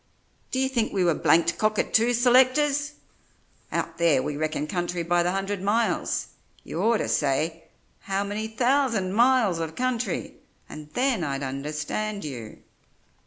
D'ye think we were blanked cockatoo selectors! Out there we reckon country by the hundred miles. You orter say, 'How many thousand miles of country?' and then I'd understand you."